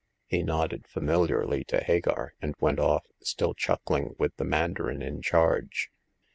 He nodded familiarly to Hagar, and went off, still chuckling with the mandarin in charge.